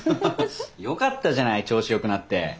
よかったじゃない調子よくなって。